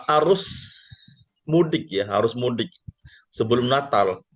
arus mudik ya arus mudik sebelum natal